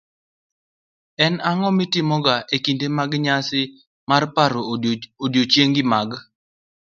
en ang'o mitimoga e kinde mag nyasi mag paro odiechienge mag